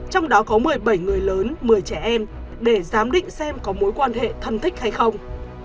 trong đó có một mươi bảy người lớn một mươi trẻ em để giám định xem có mối quan hệ thân thích hay không